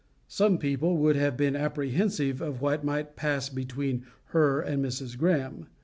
Some people would have been apprehensive of what might pass between her and Mrs. Greme.